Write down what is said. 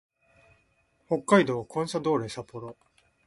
北海道コンサドーレ札幌